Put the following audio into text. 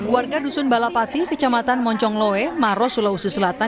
warga dusun balapati kecamatan monconglowe maros sulawesi selatan